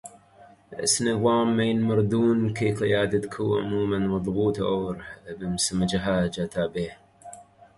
اس نظام میں مردوں کی قیادت کو عموماً مضبوط اور اہم سمجھا جاتا ہے